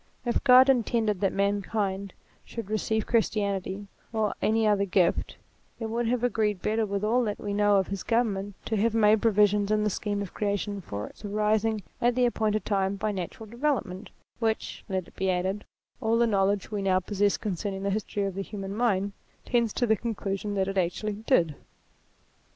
If God intended A that mankind should receive Christianity or any other gift, it would have agreed better with all that we know of his government to have made provision in the scheme of creation for its arising at the appointed time by natural development ; which, let it be added, all the knowledge we now possess concerning the history of the human mind, tends to the conclusion / that it actually did.